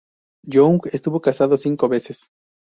Young estuvo casado cinco veces.